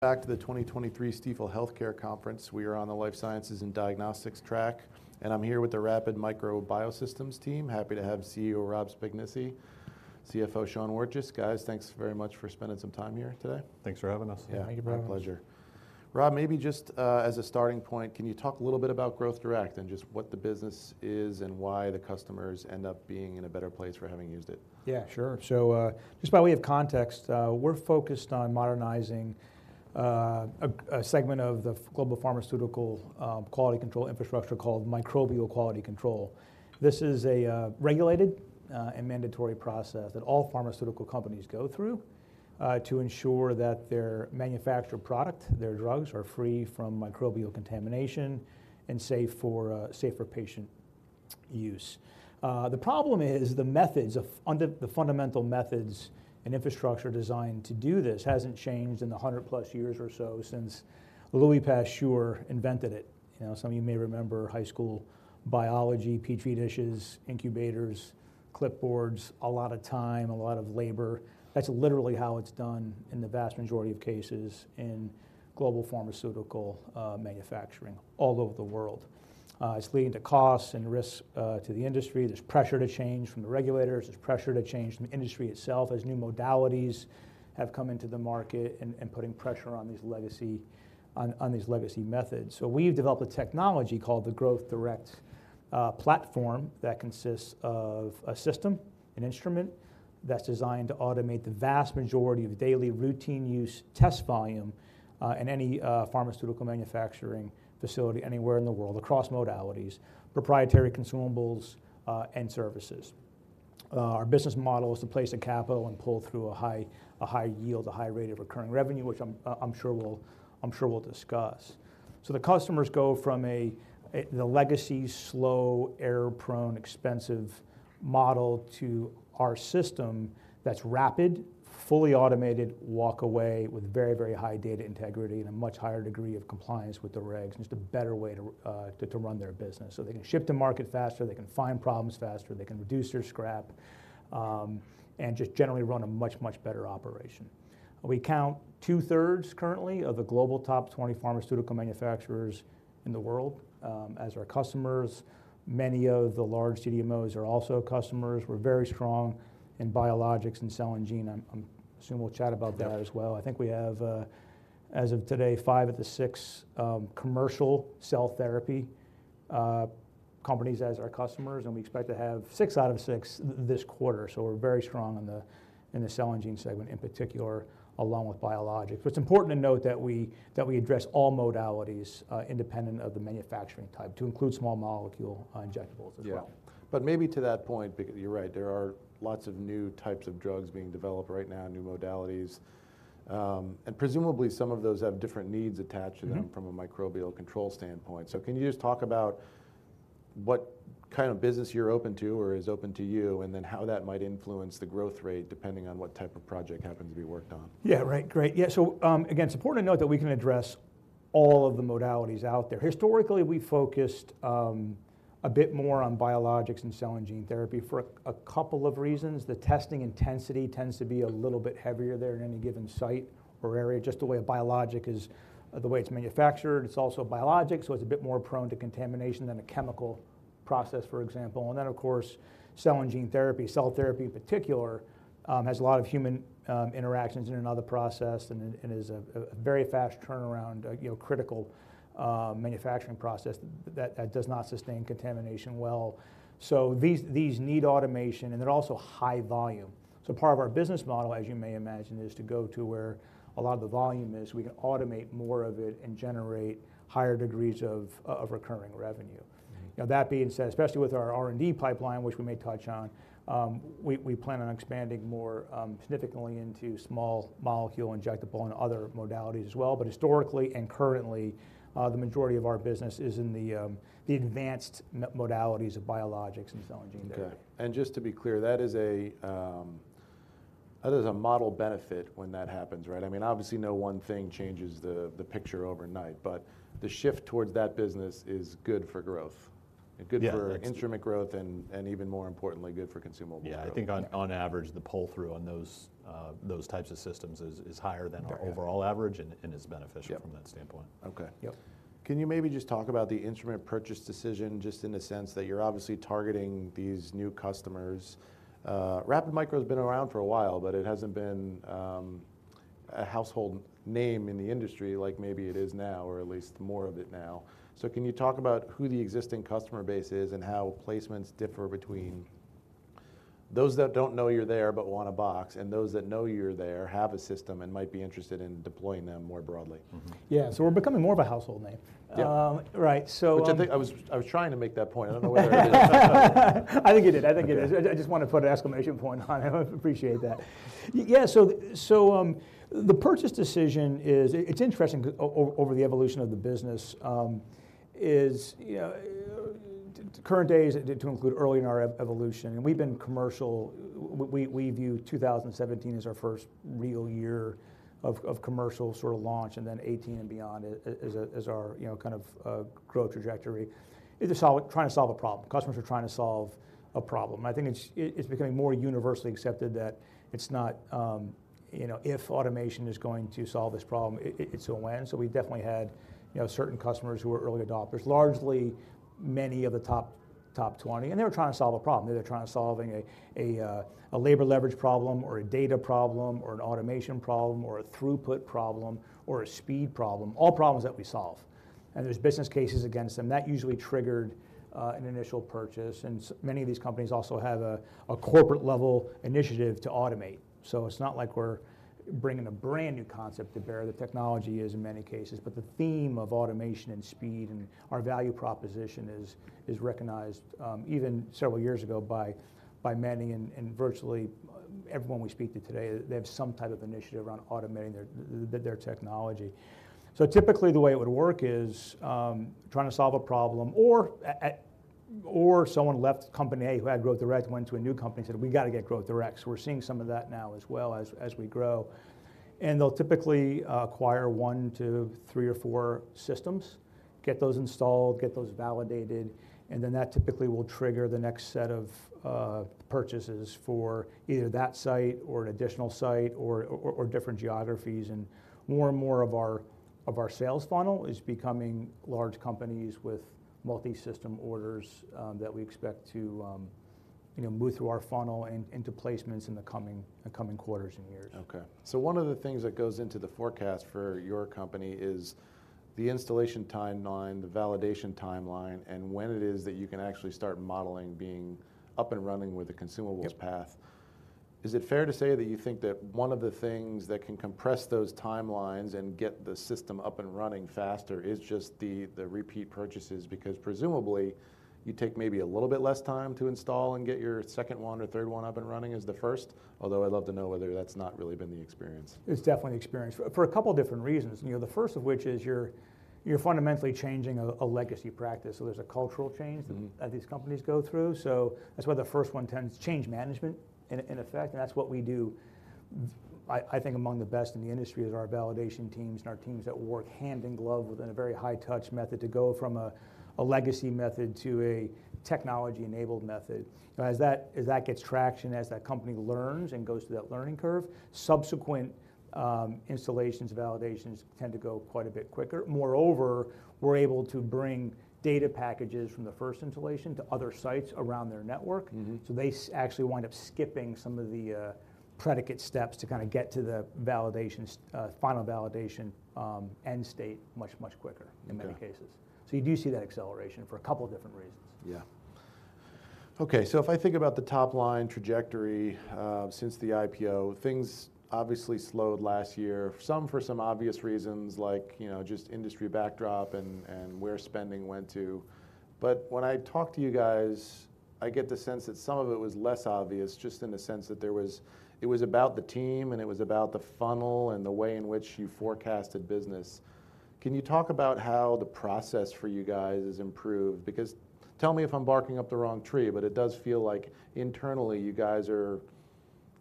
Back to the 2023 Stifel Healthcare Conference. We are on the Life Sciences and Diagnostics track, and I'm here with the Rapid Micro Biosystems team. Happy to have CEO Rob Spignesi, CFO Sean Wirtjes. Guys, thanks very much for spending some time here today. Thanks for having us. Yeah, thank you for having us. My pleasure. Rob, maybe just, as a starting point, can you talk a little bit about Growth Direct and just what the business is, and why the customers end up being in a better place for having used it? Yeah, sure. So, just by way of context, we're focused on modernizing a segment of the global pharmaceutical quality control infrastructure called microbial quality control. This is a regulated and mandatory process that all pharmaceutical companies go through to ensure that their manufactured product, their drugs, are free from microbial contamination and safe for safe for patient use. The problem is, the fundamental methods and infrastructure designed to do this hasn't changed in the 100+ years or so since Louis Pasteur invented it. You know, some of you may remember high school biology, Petri dishes, incubators, clipboards, a lot of time, a lot of labor. That's literally how it's done in the vast majority of cases in global pharmaceutical manufacturing all over the world. It's leading to costs and risks to the industry. There's pressure to change from the regulators. There's pressure to change from the industry itself, as new modalities have come into the market and putting pressure on these legacy methods. So we've developed a technology called the Growth Direct Platform that consists of a system, an instrument, that's designed to automate the vast majority of daily routine use test volume in any pharmaceutical manufacturing facility anywhere in the world across modalities, proprietary consumables, and services. Our business model is to place the capital and pull through a high yield, a high rate of recurring revenue, which I'm sure we'll discuss. So the customers go from the legacy slow, error-prone, expensive model to our system that's rapid, fully automated, walk away with very, very high data integrity and a much higher degree of compliance with the regs. Just a better way to run their business. So they can ship to market faster, they can find problems faster, they can reduce their scrap, and just generally run a much, much better operation. We count two-thirds currently of the global top 20 pharmaceutical manufacturers in the world as our customers. Many of the large CDMOs are also customers. We're very strong in biologics and cell and gene. I assume we'll chat about that as well. I think we have, as of today, five of the six commercial cell therapy companies as our customers, and we expect to have six out of six this quarter. So we're very strong in the cell and gene segment in particular, along with biologics. But it's important to note that we address all modalities, independent of the manufacturing type, to include small molecule injectables as well. Yeah. But maybe to that point, because you're right, there are lots of new types of drugs being developed right now, new modalities. And presumably some of those have different needs attached to them- Mm-hmm... from a microbial control standpoint. So can you just talk about what kind of business you're open to or is open to you, and then how that might influence the growth rate, depending on what type of project happens to be worked on? Yeah, right, great. Yeah, so, again, it's important to note that we can address all of the modalities out there. Historically, we focused a bit more on biologics and cell and gene therapy for a couple of reasons. The testing intensity tends to be a little bit heavier there in any given site or area, just the way a biologic is, the way it's manufactured. It's also a biologic, so it's a bit more prone to contamination than a chemical process, for example. And then, of course, cell and gene therapy, cell therapy in particular, has a lot of human interactions in another process and is a very fast turnaround, you know, critical manufacturing process that does not sustain contamination well. So these need automation, and they're also high volume. Part of our business model, as you may imagine, is to go to where a lot of the volume is. We can automate more of it and generate higher degrees of recurring revenue. Mm-hmm. You know, that being said, especially with our R&D pipeline, which we may touch on, we plan on expanding more significantly into small molecule injectable and other modalities as well. But historically and currently, the majority of our business is in the advanced modalities of biologics and Cell and Gene Therapy. Okay. And just to be clear, that is a model benefit when that happens, right? I mean, obviously, no one thing changes the picture overnight, but the shift towards that business is good for growth- Yeah. - and good for instrument growth and, and even more importantly, good for consumable growth. Yeah, I think on average, the pull-through on those types of systems is higher than- Okay... our overall average and is beneficial from that standpoint. Yep. Okay. Yep. Can you maybe just talk about the instrument purchase decision, just in the sense that you're obviously targeting these new customers? Rapid Micro has been around for a while, but it hasn't been a household name in the industry like maybe it is now, or at least more of it now. So can you talk about who the existing customer base is and how placements differ between those that don't know you're there but want a box, and those that know you're there, have a system, and might be interested in deploying them more broadly? Mm-hmm. Yeah, so we're becoming more of a household name. Yeah. Right. So, Which I think I was, I was trying to make that point. I don't know whether I did or not. I think you did. I think you did. I just want to put an exclamation point on it. I appreciate that. Yeah, so, so, the purchase decision is, it's interesting over the evolution of the business, is, you know, current days, to include early in our evolution, and we've been commercial... We, we view 2017 as our first real year of commercial sort of launch, and then 2018 and beyond as our, you know, kind of growth trajectory. Is to solve, trying to solve a problem. Customers are trying to solve a problem. I think it's becoming more universally accepted that it's not, you know, if automation is going to solve this problem, it's a when. So we definitely had, you know, certain customers who were early adopters, largely many of the Top 20, and they were trying to solve a problem. They were trying to solving a labor leverage problem, or a data problem, or an automation problem, or a throughput problem, or a speed problem, all problems that we solve. And there's business cases against them. That usually triggered an initial purchase, and many of these companies also have a corporate-level initiative to automate. So it's not like we're bringing a brand-new concept to bear. The technology is, in many cases, but the theme of automation and speed and our value proposition is recognized, even several years ago by many. And virtually everyone we speak to today, they have some type of initiative around automating their their technology. So typically, the way it would work is, trying to solve a problem, or someone left company A, who had Growth Direct, went to a new company and said, "We've got to get Growth Direct." So we're seeing some of that now as well, as we grow. And they'll typically acquire one to three or four systems, get those installed, get those validated, and then that typically will trigger the next set of purchases for either that site or an additional site or different geographies. And more and more of our sales funnel is becoming large companies with multi-system orders that we expect to, you know, move through our funnel and into placements in the coming quarters and years. Okay. So one of the things that goes into the forecast for your company is the installation timeline, the validation timeline, and when it is that you can actually start modeling being up and running with the consumables- Yep... path. Is it fair to say that you think that one of the things that can compress those timelines and get the system up and running faster is just the repeat purchases? Because presumably, you take maybe a little bit less time to install and get your second one or third one up and running as the first, although I'd love to know whether that's not really been the experience. It's definitely the experience for a couple different reasons. You know, the first of which is you're fundamentally changing a legacy practice, so there's a cultural change- Mm-hmm... that these companies go through. So that's why the first one tends to... change management, in effect, and that's what we do—I think among the best in the industry—is our validation teams and our teams that work hand in glove within a very high-touch method to go from a legacy method to a technology-enabled method. As that gets traction, as that company learns and goes through that learning curve, subsequent installations, validations tend to go quite a bit quicker. Moreover, we're able to bring data packages from the first installation to other sites around their network. Mm-hmm. So they actually wind up skipping some of the predicate steps to kind of get to the validation, final validation, end state much, much quicker- Okay... in many cases. So you do see that acceleration for a couple different reasons. Yeah. Okay, so if I think about the top-line trajectory, since the IPO, things obviously slowed last year. Some for some obvious reasons, like, you know, just industry backdrop and, and where spending went to. But when I talk to you guys, I get the sense that some of it was less obvious, just in the sense that there was, it was about the team, and it was about the funnel and the way in which you forecasted business. Can you talk about how the process for you guys has improved? Because tell me if I'm barking up the wrong tree, but it does feel like internally, you guys are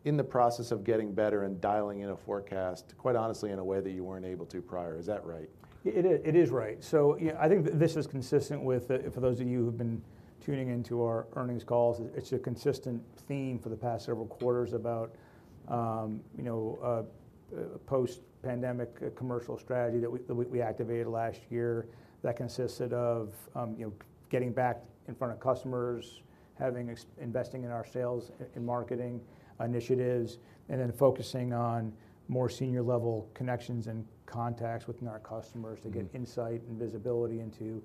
in the process of getting better and dialing in a forecast, quite honestly, in a way that you weren't able to prior. Is that right? It is. It is right. So yeah, I think this is consistent with, for those of you who've been tuning in to our earnings calls, it's a consistent theme for the past several quarters about, you know, post-pandemic commercial strategy that we activated last year. That consisted of, you know, getting back in front of customers, investing in our sales and marketing initiatives, and then focusing on more senior-level connections and contacts within our customers- Mm... to get insight and visibility into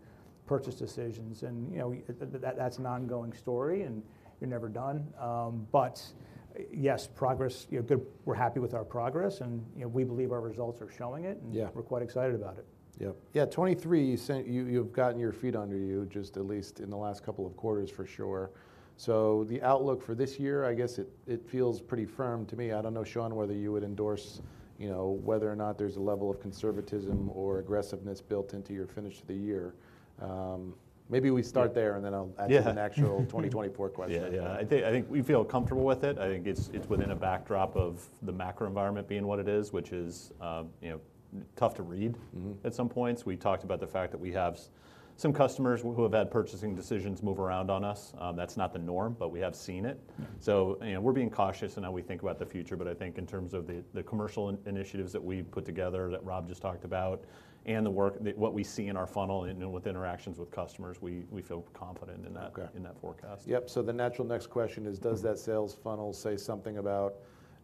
purchase decisions. And, you know, that's an ongoing story, and you're never done. But yes, progress, you know, we're happy with our progress, and, you know, we believe our results are showing it. Yeah. We're quite excited about it. Yep. Yeah, 2023, you said, you've gotten your feet under you, just at least in the last couple of quarters, for sure. So the outlook for this year, I guess it feels pretty firm to me. I don't know, Sean, whether you would endorse, you know, whether or not there's a level of conservatism or aggressiveness built into your finish to the year. Maybe we start there- Yeah... and then I'll ask- Yeah,... you an actual 2024 question. Yeah, yeah. I think, I think we feel comfortable with it. I think it's, it's within a backdrop of the macro environment being what it is, which is, you know, tough to read- Mm-hmm... at some points. We talked about the fact that we have some customers who have had purchasing decisions move around on us. That's not the norm, but we have seen it. Mm. So, we're being cautious in how we think about the future. But I think in terms of the commercial initiatives that we've put together, that Rob just talked about, and the work, what we see in our funnel and with interactions with customers, we feel confident in that- Okay... in that forecast. Yep, so the natural next question is: Does that sales funnel say something about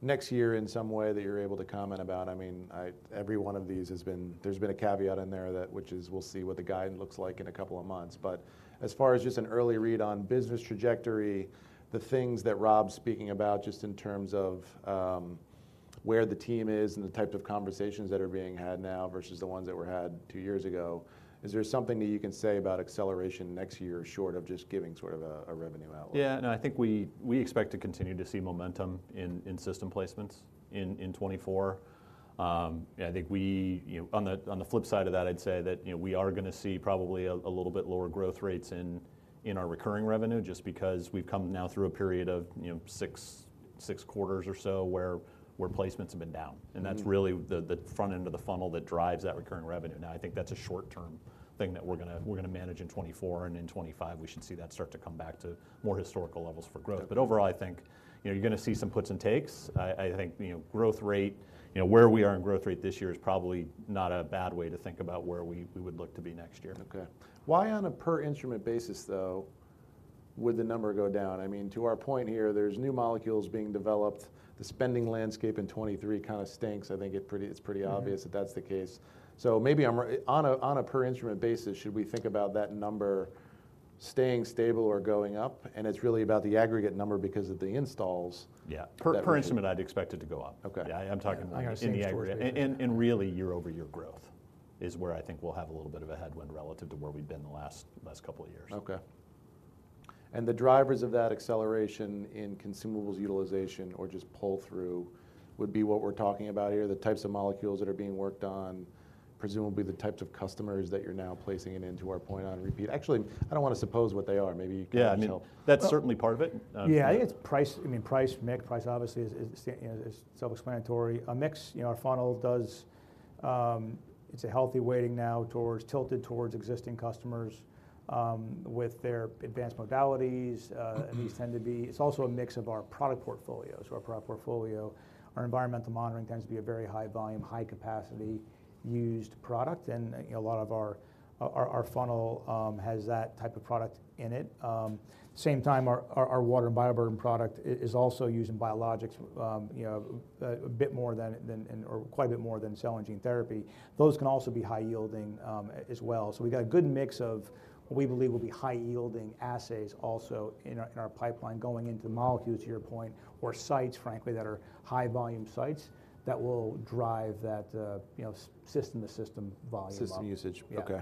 next year in some way that you're able to comment about? I mean, every one of these has been; there's been a caveat in there that, which is, we'll see what the guide looks like in a couple of months. But as far as just an early read on business trajectory, the things that Rob's speaking about, just in terms of where the team is and the type of conversations that are being had now versus the ones that were had two years ago, is there something that you can say about acceleration next year, short of just giving sort of a revenue outlook? Yeah, no, I think we expect to continue to see momentum in system placements in 2024. Yeah, I think we, you know, on the flip side of that, I'd say that, you know, we are gonna see probably a little bit lower growth rates in our recurring revenue, just because we've come now through a period of, you know, six quarters or so where placements have been down. Mm-hmm. That's really the front end of the funnel that drives that recurring revenue. Now, I think that's a short-term thing that we're gonna manage in 2024, and in 2025, we should see that start to come back to more historical levels for growth. Okay. Overall, I think, you know, you're gonna see some puts and takes. I, I think, you know, growth rate, you know, where we are in growth rate this year is probably not a bad way to think about where we, we would look to be next year. Okay. Why on a per instrument basis, though, would the number go down? I mean, to our point here, there's new molecules being developed. The spending landscape in 2023 kind of stinks. I think it's pretty obvious- Mm-hmm. that that's the case. So maybe I'm wrong on a per instrument basis, should we think about that number staying stable or going up? It's really about the aggregate number because of the installs. Yeah. That- Per instrument, I'd expect it to go up. Okay. Yeah, I'm talking in the aggregate- I see- Really, year-over-year growth is where I think we'll have a little bit of a headwind relative to where we've been the last couple of years. Okay. The drivers of that acceleration in consumables utilization, or just pull-through, would be what we're talking about here, the types of molecules that are being worked on, presumably the types of customers that you're now placing it in, to our point on repeat. Actually, I don't wanna suppose what they are. Maybe you can tell. Yeah. I mean, that's certainly part of it. Yeah, I think it's price. I mean, price, mix. Price obviously is, you know, is self-explanatory. A mix... You know, our funnel does, it's a healthy weighting now towards, tilted towards existing customers, with their advanced modalities, and these tend to be... It's also a mix of our product portfolio. So our product portfolio, our environmental monitoring tends to be a very high volume, high capacity used product, and a lot of our funnel has that type of product in it. Same time, our water and bioburden product is also used in biologics, you know, a bit more than or quite a bit more than cell and gene therapy. Those can also be high-yielding, as well. So we've got a good mix of what we believe will be high-yielding assays also in our pipeline going into molecules, to your point, or sites, frankly, that are high-volume sites that will drive that, you know, system-to-system volume up. System usage. Yeah. Okay.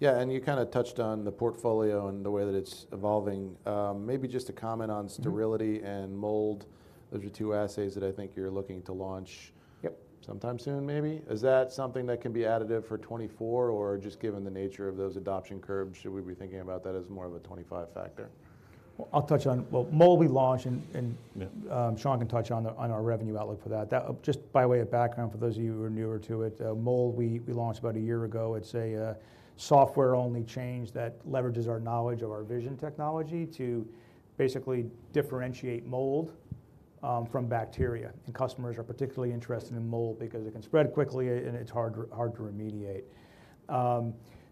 Yeah, and you kinda touched on the portfolio and the way that it's evolving. Maybe just a comment on sterility. Mm-hmm... and mold. Those are two assays that I think you're looking to launch- Yep... sometime soon, maybe? Is that something that can be additive for 2024, or just given the nature of those adoption curves, should we be thinking about that as more of a 2025 factor? Well, mold we launched, and. Yeah... Sean can touch on the, on our revenue outlook for that. That, just by way of background, for those of you who are newer to it, Mold, we launched about a year ago. It's a software-only change that leverages our knowledge of our vision technology to basically differentiate Mold from bacteria. And customers are particularly interested in Mold because it can spread quickly, and it's hard to remediate.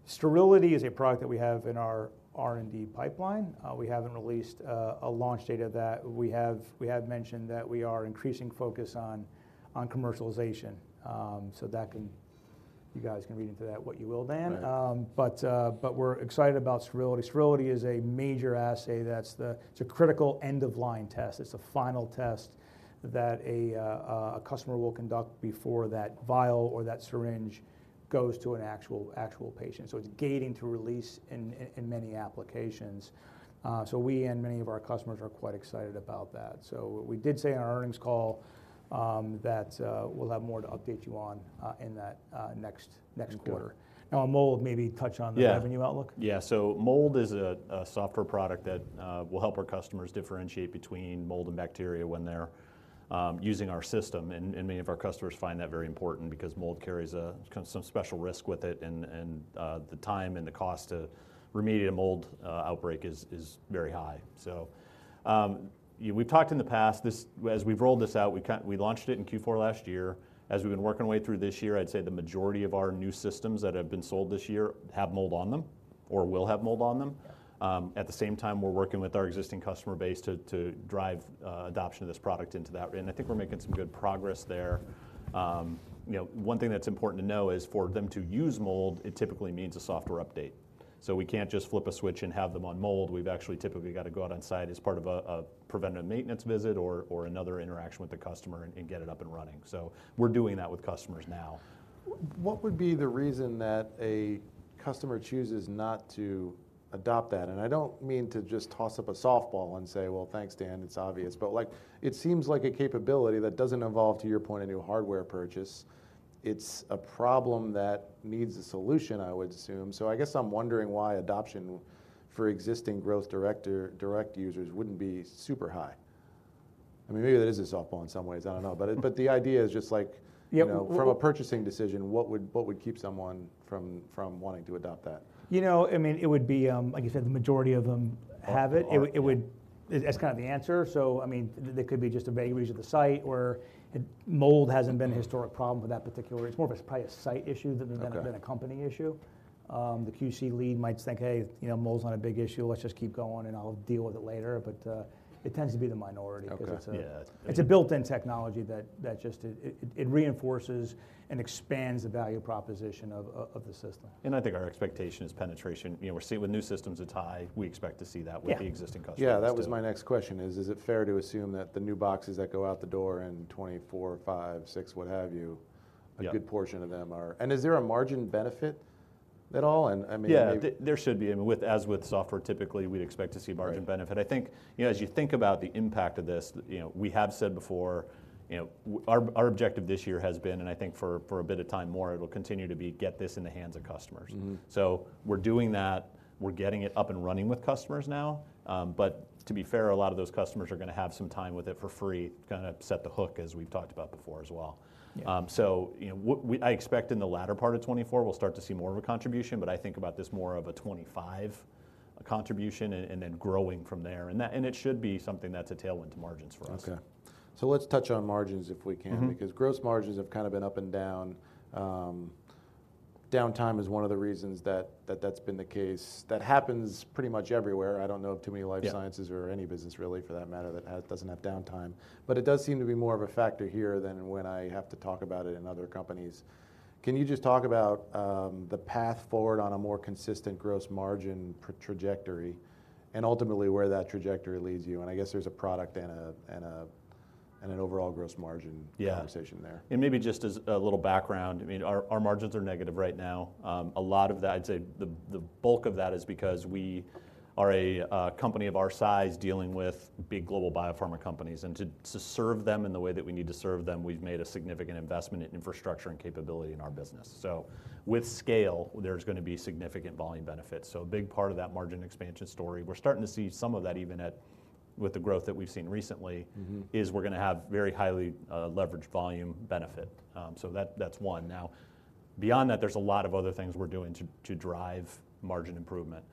Sterility is a product that we have in our R&D pipeline. We haven't released a launch date of that. We have mentioned that we are increasing focus on commercialization, so you guys can read into that what you will, then. Right. But we're excited about sterility. Sterility is a major assay that's the... It's a critical end-of-line test. It's the final test that a customer will conduct before that vial or that syringe goes to an actual patient, so it's gating to release in many applications. So we and many of our customers are quite excited about that. So what we did say on our earnings call, that we'll have more to update you on, in that next quarter. Good. Now on mold, maybe touch on the- Yeah... revenue outlook? Yeah, so mold is a software product that will help our customers differentiate between mold and bacteria when they're using our system, and many of our customers find that very important because mold carries a kind of some special risk with it, and the time and the cost to remediate a mold outbreak is very high. So, we've talked in the past, as we've rolled this out, we launched it in Q4 last year. As we've been working our way through this year, I'd say the majority of our new systems that have been sold this year have mold on them or will have mold on them. At the same time, we're working with our existing customer base to drive adoption of this product into that, and I think we're making some good progress there. You know, one thing that's important to know is, for them to use mold, it typically means a software update. So we can't just flip a switch and have them on mold. We've actually typically gotta go out on site as part of a preventative maintenance visit or another interaction with the customer and get it up and running, so we're doing that with customers now. What would be the reason that a customer chooses not to adopt that? And I don't mean to just toss up a softball and say, "Well, thanks, Dan, it's obvious," but, like, it seems like a capability that doesn't involve, to your point, a new hardware purchase. It's a problem that needs a solution, I would assume. So I guess I'm wondering why adoption for existing Growth Direct users wouldn't be super high. I mean, maybe that is a softball in some ways, I don't know. But the idea is just, like- Yep... you know, from a purchasing decision, what would keep someone from wanting to adopt that? You know, I mean, it would be, like you said, the majority of them have it. Yeah. It would. That's kind of the answer. So, I mean, there could be just a variance at the site, or mold hasn't. Mm-hmm ...been a historic problem for that particular... It's more of a, probably a site issue than, than- Okay... a company issue. The QC lead might think, "Hey, you know, mold's not a big issue. Let's just keep going, and I'll deal with it later." But, it tends to be the minority- Okay. Yeah... 'cause it's a built-in technology that just reinforces and expands the value proposition of the system. I think our expectation is penetration. You know, we're seeing with new systems, it's high. We expect to see that- Yeah... with the existing customers, too. Yeah, that was my next question, is it fair to assume that the new boxes that go out the door in 2024, 2025, 2026, what have you- Yeah... a good portion of them are? And is there a margin benefit at all? And I mean, maybe- Yeah, there should be. I mean, as with software, typically, we'd expect to see margin benefit. Right. I think, you know, as you think about the impact of this, you know, we have said before, you know, our objective this year has been, and I think for a bit of time more, it'll continue to be, get this in the hands of customers. Mm-hmm. We're doing that. We're getting it up and running with customers now, but to be fair, a lot of those customers are gonna have some time with it for free, kinda set the hook, as we've talked about before as well. Yeah. So, you know, I expect in the latter part of 2024, we'll start to see more of a contribution, but I think about this more of a 2025 contribution and then growing from there, and that it should be something that's a tailwind to margins for us. Okay. Let's touch on margins if we can. Mm-hmm. Because gross margins have kind of been up and down, downtime is one of the reasons that, that that's been the case. That happens pretty much everywhere. I don't know of too many life sciences- Yeah -or any business, really, for that matter, that has, doesn't have downtime. But it does seem to be more of a factor here than when I have to talk about it in other companies. Can you just talk about the path forward on a more consistent gross margin trajectory, and ultimately, where that trajectory leads you? And I guess there's a product and a, and a, and an overall gross margin- Yeah -conversation there. Maybe just as a little background, I mean, our margins are negative right now. A lot of that—I'd say the bulk of that is because we are a company of our size dealing with big global biopharma companies, and to serve them in the way that we need to serve them, we've made a significant investment in infrastructure and capability in our business. With scale, there's gonna be significant volume benefits. A big part of that margin expansion story—we're starting to see some of that even with the growth that we've seen recently. Mm-hmm... is we're gonna have very highly leveraged volume benefit. So that, that's one. Now, beyond that, there's a lot of other things we're doing to drive margin improvement.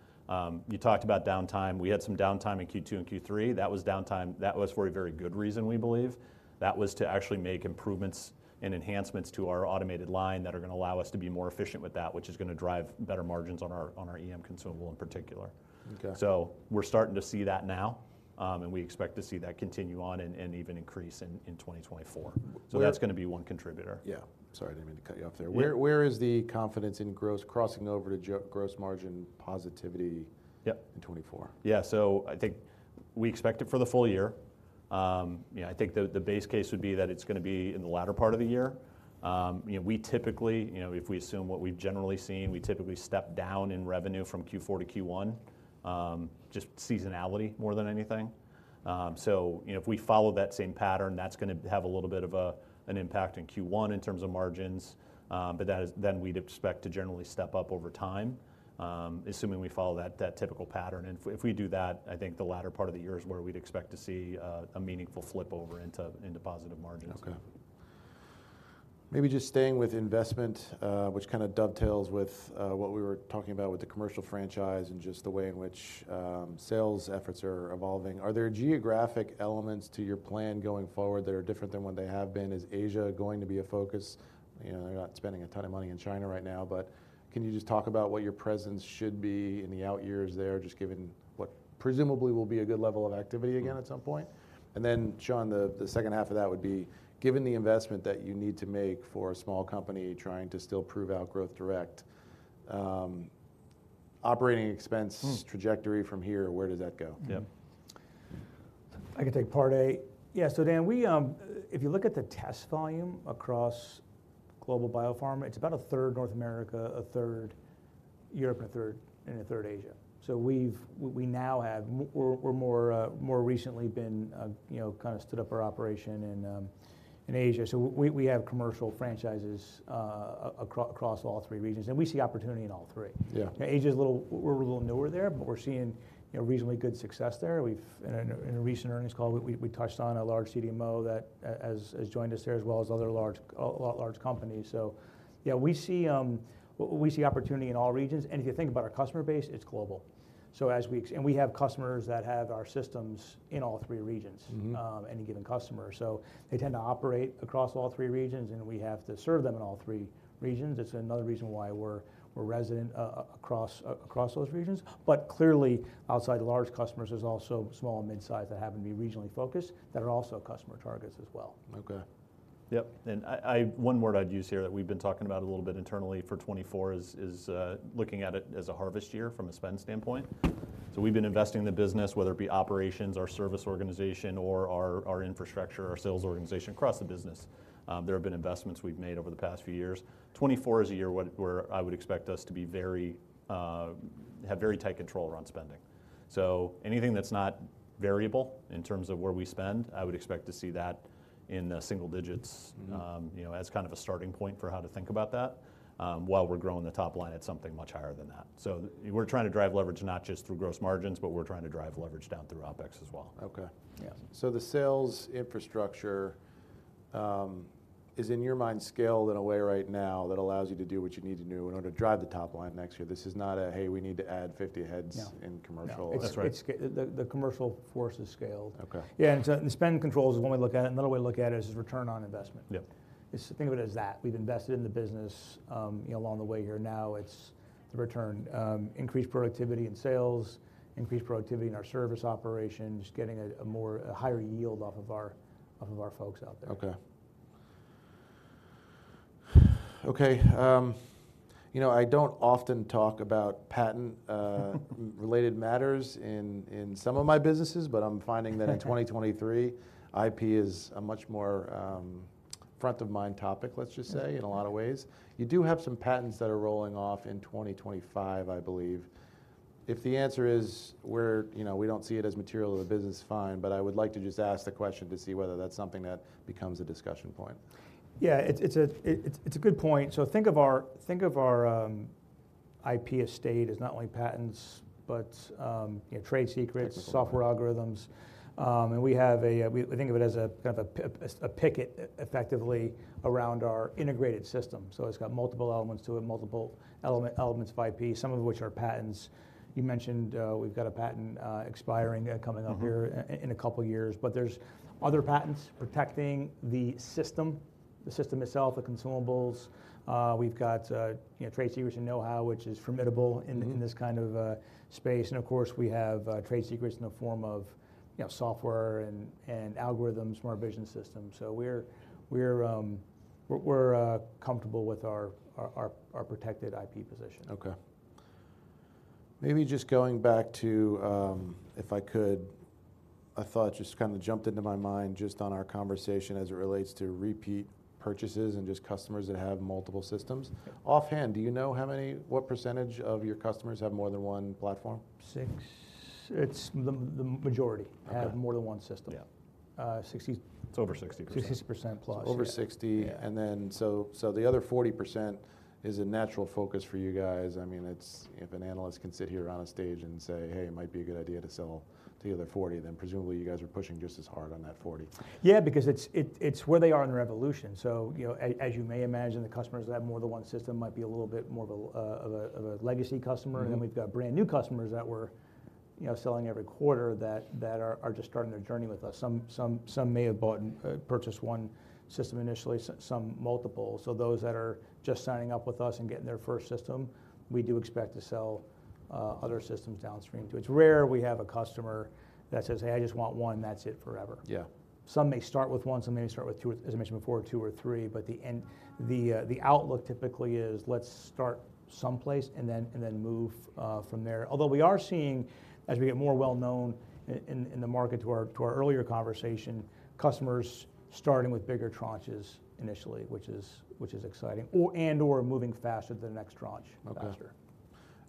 You talked about downtime. We had some downtime in Q2 and Q3. That was downtime, that was for a very good reason, we believe. That was to actually make improvements and enhancements to our automated line that are gonna allow us to be more efficient with that, which is gonna drive better margins on our EM consumable in particular. Okay. So we're starting to see that now, and we expect to see that continue on and even increase in 2024. Where- That's gonna be one contributor. Yeah. Sorry, I didn't mean to cut you off there. Yeah. Where is the confidence in gross crossing over to gross margin positivity? Yeah... in 2024? Yeah, so I think we expect it for the full year. You know, I think the base case would be that it's gonna be in the latter part of the year. You know, we typically... You know, if we assume what we've generally seen, we typically step down in revenue from Q4 to Q1, just seasonality more than anything. So, you know, if we follow that same pattern, that's gonna have a little bit of an impact in Q1, in terms of margins. But then we'd expect to generally step up over time, assuming we follow that typical pattern. And if we do that, I think the latter part of the year is where we'd expect to see a meaningful flip over into positive margins. Okay. Maybe just staying with investment, which kinda dovetails with what we were talking about with the commercial franchise and just the way in which sales efforts are evolving. Are there geographic elements to your plan going forward that are different than what they have been? Is Asia going to be a focus? You know, they're not spending a ton of money in China right now, but can you just talk about what your presence should be in the out years there, just given what presumably will be a good level of activity again at some point? And then, Sean, the second half of that would be, given the investment that you need to make for a small company trying to still prove out Growth Direct, operating expense- Hmm... trajectory from here, where does that go? Yeah. I can take part A. Yeah, so Dan, we. If you look at the test volume across global biopharma, it's about a third North America, a third Europe, and a third Asia. So we now have we're more recently been you know kinda stood up our operation in Asia. So we have commercial franchises across all three regions, and we see opportunity in all three. Yeah. Asia's a little newer there, but we're seeing, you know, reasonably good success there. We, in a recent earnings call, we touched on a large CDMO that has joined us there, as well as other large, a lot of large companies. So yeah, we see opportunity in all regions, and if you think about our customer base, it's global. So as we, and we have customers that have our systems in all three regions. Mm-hmm... any given customer. So they tend to operate across all three regions, and we have to serve them in all three regions. It's another reason why we're resident across those regions. But clearly, outside large customers, there's also small and mid-size that happen to be regionally focused that are also customer targets as well. Okay. Yep, and I... One word I'd use here that we've been talking about a little bit internally for 2024 is looking at it as a harvest year from a spend standpoint. So we've been investing in the business, whether it be operations, our service organization, or our infrastructure, our sales organization, across the business. There have been investments we've made over the past few years. 2024 is a year where I would expect us to be very have very tight control around spending. So anything that's not variable, in terms of where we spend, I would expect to see that in the single digits- Mm-hmm... you know, as kind of a starting point for how to think about that, while we're growing the top line at something much higher than that. So we're trying to drive leverage, not just through gross margins, but we're trying to drive leverage down through OpEx as well. Okay. Yeah. So the sales infrastructure, is, in your mind, scaled in a way right now that allows you to do what you need to do in order to drive the top line next year? This is not a, "Hey, we need to add 50 heads- No -in commercial. No. That's right. It's the commercial force is scaled. Okay. Yeah, and so the spend controls is one way to look at it. Another way to look at it is return on investment. Yep. Just think of it as that. We've invested in the business, you know, along the way here. Now, it's the return. Increased productivity in sales, increased productivity in our service operations, getting a higher yield off of our folks out there. Okay. Okay, you know, I don't often talk about patent-related matters in some of my businesses, but I'm finding that in 2023, IP is a much more front-of-mind topic, let's just say, in a lot of ways. You do have some patents that are rolling off in 2025, I believe. If the answer is, we're, you know, we don't see it as material to the business, fine. But I would like to just ask the question to see whether that's something that becomes a discussion point. Yeah, it's a good point. So think of our IP estate is not only patents, but you know, trade secrets- Technically. software algorithms. And we have a, we think of it as a kind of a picket, effectively, around our integrated system. So it's got multiple elements to it, elements of IP, some of which are patents. You mentioned, we've got a patent expiring coming up here- Mm-hmm... in a couple years. But there's other patents protecting the system, the system itself, the consumables. We've got, you know, trade secrets and know-how, which is formidable- Mm-hmm... in this kind of space. And of course, we have trade secrets in the form of, you know, software and algorithms, smart vision systems. So we're comfortable with our protected IP position. Okay. Maybe just going back to, if I could, a thought just kind of jumped into my mind, just on our conversation as it relates to repeat purchases and just customers that have multiple systems. Offhand, do you know how many, what percentage of your customers have more than one platform? Six... It's the majority- Okay... have more than one system. Yeah. Uh, sixty- It's over 60%. 60%+. Over sixty. Yeah. So the other 40% is a natural focus for you guys. I mean, it's... If an analyst can sit here on a stage and say, "Hey, it might be a good idea to sell to the other 40%," then presumably, you guys are pushing just as hard on that 40%. Yeah, because it's where they are in their evolution. So, you know, as you may imagine, the customers that have more than one system might be a little bit more of a legacy customer. Mm-hmm. And then we've got brand-new customers that we're, you know, selling every quarter that are just starting their journey with us. Some may have purchased one system initially, so some multiple. So those that are just signing up with us and getting their first system, we do expect to sell other systems downstream, too. It's rare we have a customer that says, "Hey, I just want one, and that's it forever. Yeah. Some may start with one, some may start with two, as I mentioned before, two or three. But the end, the, the outlook typically is, Let's start someplace and then, and then move, from there. Although we are seeing, as we get more well-known in, in the market, to our, to our earlier conversation, customers starting with bigger tranches initially, which is, which is exciting, or, and/or moving faster to the next tranche- Okay... faster.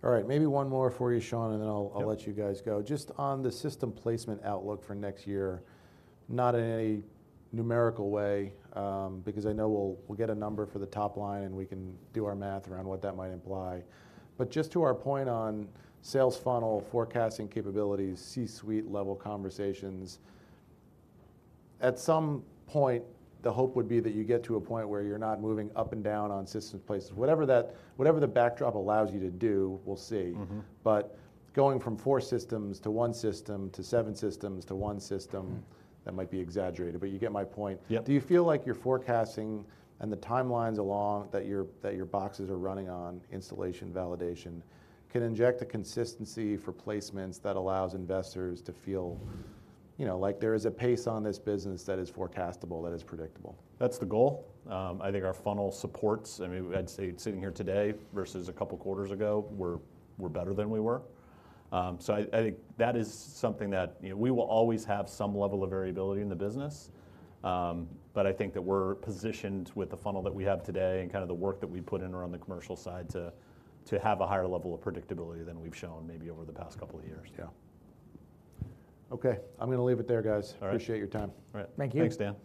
All right, maybe one more for you, Sean, and then I'll- Yep... I'll let you guys go. Just on the system placement outlook for next year, not in any numerical way, because I know we'll get a number for the top line, and we can do our math around what that might imply. But just to our point on sales funnel forecasting capabilities, C-suite level conversations, at some point, the hope would be that you get to a point where you're not moving up and down on system placements. Whatever the backdrop allows you to do, we'll see. Mm-hmm. But going from 4 systems to 1 system, to 7 systems to 1 system- Mm. that might be exaggerated, but you get my point. Yep. Do you feel like your forecasting and the timelines along that your boxes are running on installation validation can inject a consistency for placements that allows investors to feel, you know, like there is a pace on this business that is forecastable, that is predictable? That's the goal. I think our funnel supports—I mean, I'd say sitting here today versus a couple quarters ago, we're better than we were. So I think that is something that, you know, we will always have some level of variability in the business. But I think that we're positioned with the funnel that we have today and kind of the work that we've put in around the commercial side to have a higher level of predictability than we've shown maybe over the past couple of years. Yeah. Okay, I'm gonna leave it there, guys. All right. Appreciate your time. All right. Thank you. Thanks, Dan.